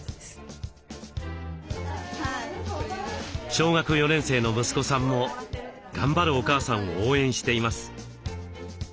小学４年生の息子さんも頑張るお母さんを応援しています。